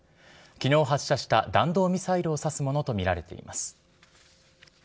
きのう発射した弾道ミサイルを指すものと見られています。